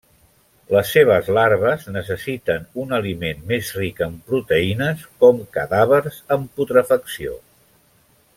Les seves larves necessiten un aliment més ric en proteïnes, com cadàvers en putrefacció.